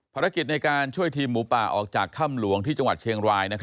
ภารกิจในการช่วยทีมหมูป่าออกจากถ้ำหลวงที่จังหวัดเชียงราย